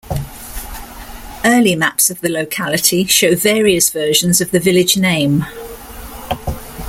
Early maps of the locality show various versions of the village name.